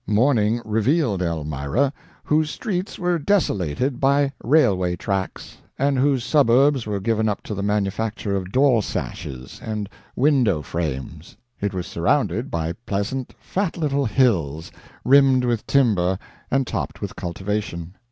Morning revealed Elmira, whose streets were desolated by railway tracks, and whose suburbs were given up to the manufacture of door sashes and window frames. It was surrounded by pleasant, fat, little hills, rimmed with timber and topped with cultivation.